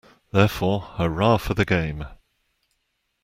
Therefore, hurrah for the game.